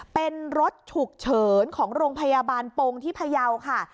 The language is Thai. เป็นรถฉุกเฉินของโรงพยาบาลปงที่พยาวค่ะ